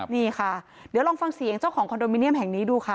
นี่ค่ะเดี๋ยวลองฟังเสียงเจ้าของคอนโดมิเนียมแห่งนี้ดูค่ะ